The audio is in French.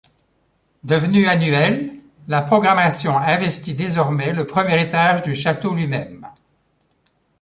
Devenue annuelle, la programmation investit désormais le premier étage du château lui-même.